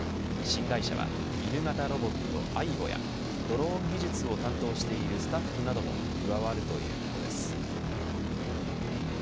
新会社は犬型ロボット、アイボやドローン技術を担当しているスタッフなども加わるということです。